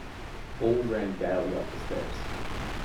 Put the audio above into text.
Paul ran gaily up the steps.